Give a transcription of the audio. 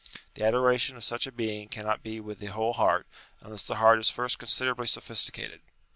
The adoration of such a being cannot be with the whole heart, unless the heart is first considerably sophisticated.